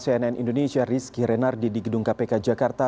cnn indonesia rizky renardi di gedung kpk jakarta